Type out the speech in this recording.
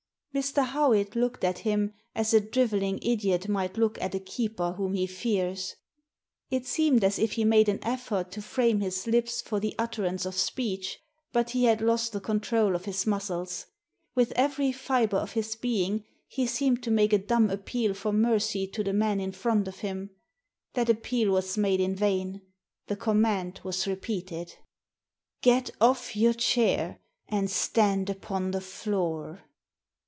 Mr. Howitt looked at him, as a drivelling idiot might look at a keeper whom he fears. It seemed as if he made an effort to frame his lips for the utterance of speech. But he had lost die control of his muscles. With every fibre of his being he seemed to make a dumb appeal for mercy to the man in front of him. The appeal was made in vain. The command was repeated " Get off your chair, and stand upon the floor."